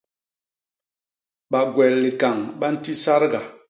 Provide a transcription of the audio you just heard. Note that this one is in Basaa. Bagwel likañ ba nti sadga.